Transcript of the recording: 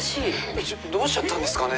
えっちょどうしちゃったんですかね。